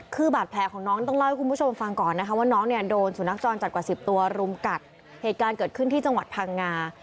คือบาดแผลของน้องต้องเล่าให้คุณผู้ชมฟังก่อนนะคะว่าน้องเนี่ยโดนสุนัขจรจัดกว่าสิบตัวรุมกัดเหตุการณ์เกิดขึ้นที่จังหวัดพังงา